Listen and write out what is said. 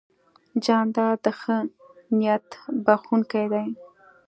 جانداد د ښه نیت بښونکی دی.